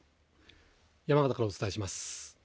山形からお伝えします。